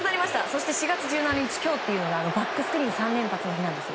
そして４月１７日、今日はバックスクリーンに３連発の日なんです。